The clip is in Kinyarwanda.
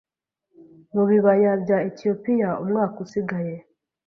mubibaya bya Etiyopiya; umwaka usigaye